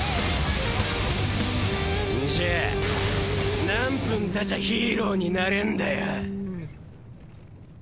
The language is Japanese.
んじゃ何分経ちゃヒーローになれンだよ？